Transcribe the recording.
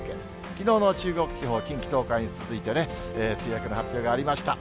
きのうの中国地方、近畿、東海に続いて梅雨明けの発表がありました。